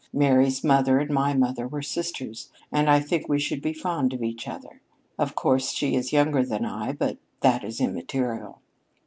Mary's mother and my mother were sisters, and I think we should be fond of each other. Of course she is younger than I, but that is immaterial."